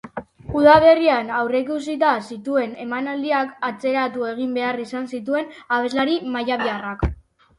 Udaberrian aurreikusita zituen emanaldiak atzeratu egin behar izan zituen abeslari mallabiarrak pandemiaren ondorioz.